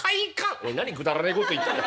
「おい何くだらねえこと言ってんだ。